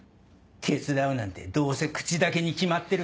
手伝うなんてどうせ口だけに決まってる。